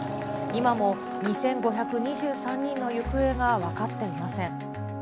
今も２５２３人の行方が分かっていません。